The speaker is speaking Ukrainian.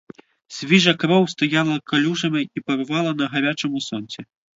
Свіжа кров стояла калюжами і парувала на гарячому сонці.